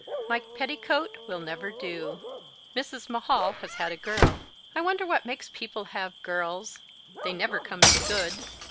My petticoat will never do. Mrs. M'Hall has had a girl. I wonder what makes people have girls; they never come to good.